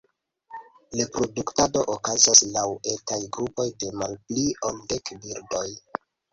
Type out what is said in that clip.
Reproduktado okazas laŭ etaj grupoj de malpli ol dek birdoj.